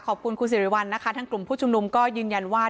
ขอบคุณคุณสิริวัลนะคะทั้งกลุ่มผู้ชุมนุมก็ยืนยันว่า